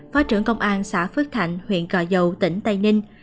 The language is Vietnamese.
phó trưởng công an xã phước thạnh huyện gò dầu tỉnh tây ninh